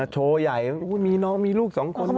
โชว์ใหญ่มีน้องมีลูกสองคน